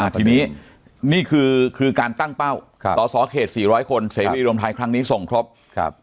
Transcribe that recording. ทีนี้นี่คือการตั้งเป้าสอสอเขต๔๐๐คนเสรีรวมไทยครั้งนี้ส่งครบ